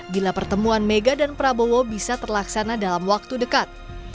bila pertemuan mega dan prabowo bisa terlaksana dalam waktu dekat